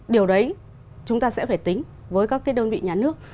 điều đấy chúng ta sẽ phải tính với các cái đơn vị nhà nước